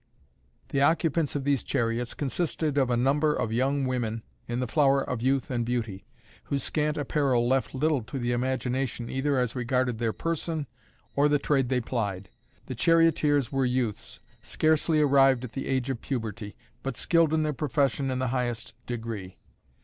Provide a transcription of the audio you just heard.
The occupants of these chariots consisted of a number of young women in the flower of youth and beauty, whose scant apparel left little to the imagination either as regarded their person or the trade they plied. The charioteers were youths, scarcely arrived at the age of puberty, but skilled in their profession in the highest degree.